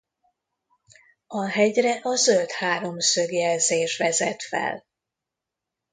A hegyre a zöld háromszög jelzés vezet fel.